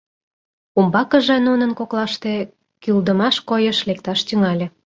Умбакыже нунын коклаште кӱлдымаш койыш лекташ тӱҥале.